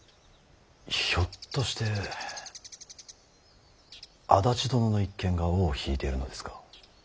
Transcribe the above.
ひょっとして安達殿の一件が尾を引いているのですか。